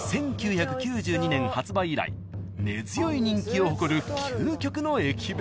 ［１９９２年発売以来根強い人気を誇る究極の駅弁］